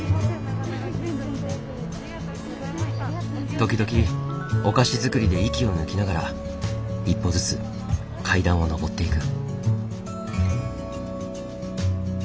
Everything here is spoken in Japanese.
時々お菓子作りで息を抜きながら一歩ずつ階段を上っていく。